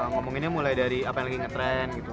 ngomonginnya mulai dari apa yang lagi nge trend gitu